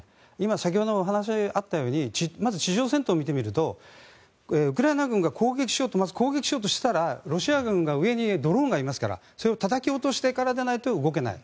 先ほどもお話があったようにまず地上戦闘を見てみるとウクライナ軍がまず攻撃しようとしたらロシア軍が上にドローンがいますからそれをたたき落としてからでないと動けない。